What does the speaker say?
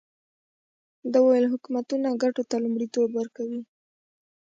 ده وویل حکومتونه ګټو ته لومړیتوب ورکوي.